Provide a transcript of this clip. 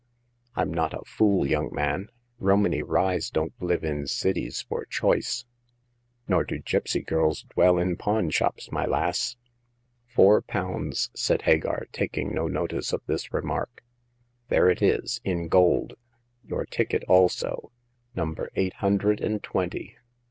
" Fm not a fool, young man ! Romany Ryes jfion*t live in cities for choice," The First Customer. 39 " Nor do gipsy girls dwell in pawn shops, my lass !"Four pounds," said Hagar, taking no notice of this remark ;there it is, in gold ; your ticket also — number eight hundred and twenty.